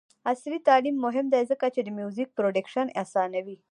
عصري تعلیم مهم دی ځکه چې د میوزیک پروډکشن اسانوي.